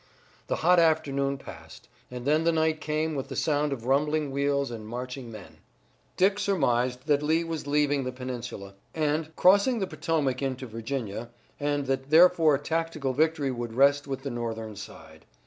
The hot afternoon passed, and then the night came with the sound of rumbling wheels and marching men. Dick surmised that Lee was leaving the peninsula, and, crossing the Potomac in to Virginia, and that therefore tactical victory would rest with the Northern side.